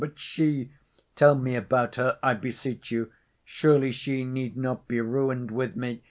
But she? Tell me about her, I beseech you. Surely she need not be ruined with me?